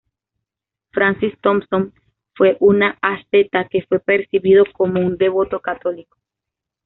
Francis Thompson fue un asceta que fue percibido como un devoto católico.